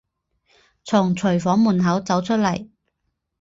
从厨房门口走出来